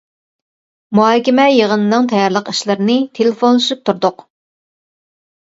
مۇھاكىمە يىغىنىنىڭ تەييارلىق ئىشلىرىنى تېلېفونلىشىپ تۇردۇق.